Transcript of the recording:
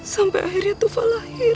sampai akhirnya tufa lahir